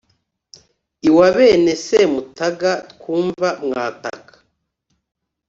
iwa bene semutaga twumva mwataka.